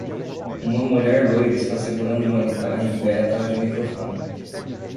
Uma mulher loira está segurando uma guitarra em pé atrás de um microfone.